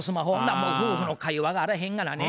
もう夫婦の会話があらへんからね。